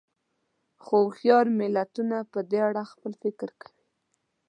خو هوښیار ملتونه په دې اړه خپل فکر کوي.